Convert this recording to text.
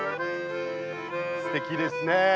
すてきですね。